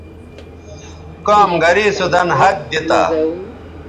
کام گرے سو دَن ہَت دی تا